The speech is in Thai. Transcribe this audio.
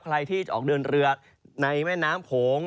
ใครที่จะออกเดินเรือในแม่น้ำโขง